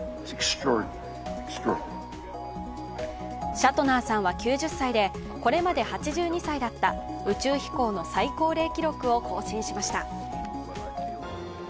シャトナーさんは９０歳でこれまで８２歳だった宇宙飛行の最高齢記録を更新しました。